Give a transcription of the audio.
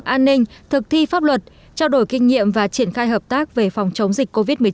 an ninh thực thi pháp luật trao đổi kinh nghiệm và triển khai hợp tác về phòng chống dịch covid một mươi chín